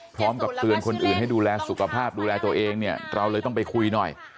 พร้อมกับเตือนคนอื่นให้ดูแลสุขภาพดูแลตัวเองเนี่ยเราเลยต้องไปคุยหน่อย